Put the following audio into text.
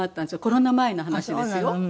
コロナ前の話ですよ。